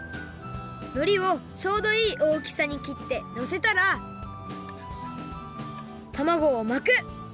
のりをちょうどいいおおきさにきってのせたらたまごを巻く！